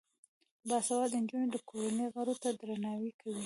باسواده نجونې د کورنۍ غړو ته درناوی کوي.